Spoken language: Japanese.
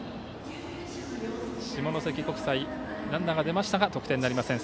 下関国際ランナーが出ましたが得点になりません。